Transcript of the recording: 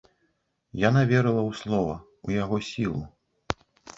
Яна верыла ў слова, у яго сілу.